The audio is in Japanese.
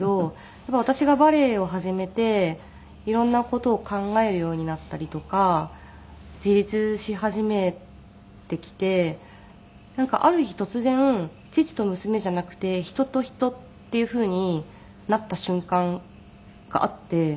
やっぱり私がバレエを始めて色んな事を考えるようになったりとか自立し始めてきてなんかある日突然父と娘じゃなくて人と人っていうふうになった瞬間があって。